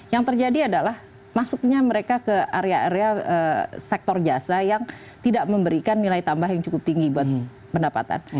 yang terjadi adalah masuknya mereka ke area area sektor jasa yang tidak memberikan nilai tambah yang cukup tinggi buat pendapatan